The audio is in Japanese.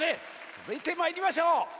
つづいてまいりましょう。